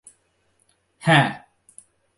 হ্যাঁ।